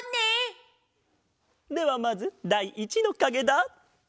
ではまずだい１のかげだ。